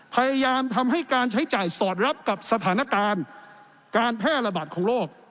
พยายามทำให้การใช้จ่ายสอดรับกับสถานการณ์การแพร่ระบาดของโรค